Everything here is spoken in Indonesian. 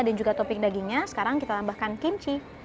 juga topping dagingnya sekarang kita tambahkan kimchi